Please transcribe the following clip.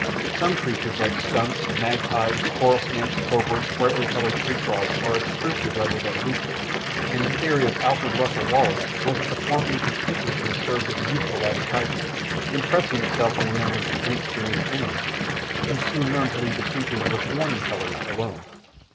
Some creatures like skunks, magpies, coral snakes, cobras, brightly coloured tree frogs are obtrusive rather than elusive, and the theory of Alfred Russel Wallace was that the flaunting conspicuousness serves as a useful advertisement, impressing itself on the memories of inexperienced enemies, who soon learn to leave creatures with "warning colours" alone.